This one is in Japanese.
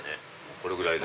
これぐらいで。